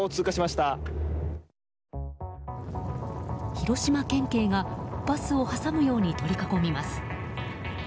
広島県警がバスを挟むように取り囲みます。